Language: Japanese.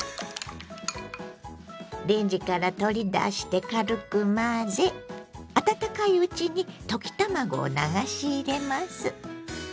レンジから取り出して軽く混ぜ温かいうちに溶き卵を流し入れます。